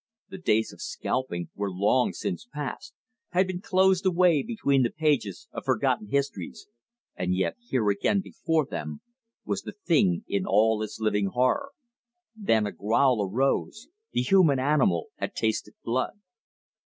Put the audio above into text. The days of scalping were long since past, had been closed away between the pages of forgotten histories, and yet here again before them was the thing in all its living horror. Then a growl arose. The human animal had tasted blood.